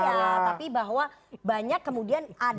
tapi bahwa banyak kemudian ada survei